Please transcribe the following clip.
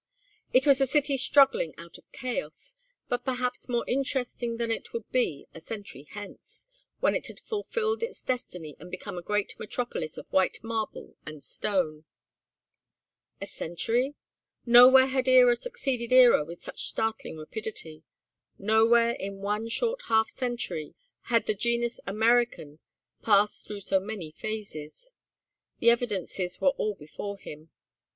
It was a city struggling out of chaos, but perhaps more interesting than it would be a century hence, when it had fulfilled its destiny and become a great metropolis of white marble and stone. A century? Nowhere had era succeeded era with such startling rapidity, nowhere in one short half century had the genus American passed through so many phases. The evidences were all before him.